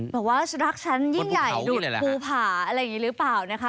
บอกว่ารักฉันยิ่งใหญ่หลุดภูผาอะไรอย่างนี้หรือเปล่านะคะ